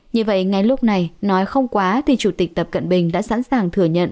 như vậy ngay lúc này nói không quá thì chủ tịch tập cận bình đã sẵn sàng thừa nhận